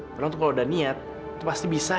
padahal tuh kalau udah niat itu pasti bisa